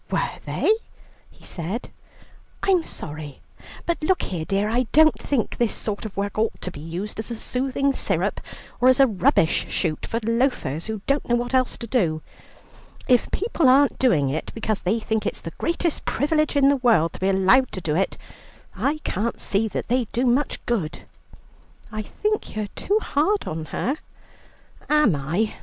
"Were they?" he said, "I'm sorry. But look here, dear, I don't think this sort of work ought to be used as a soothing syrup, or as a rubbish shoot for loafers, who don't know what else to do. If people aren't doing it because they think it's the greatest privilege in the world to be allowed to do it, I can't see that they do much good." "I think you're too hard on her." "Am I?